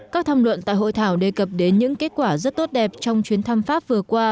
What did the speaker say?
các tham luận tại hội thảo đề cập đến những kết quả rất tốt đẹp trong chuyến thăm pháp vừa qua